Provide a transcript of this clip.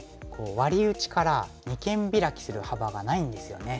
ワリ打ちから二間ビラキする幅がないんですよね。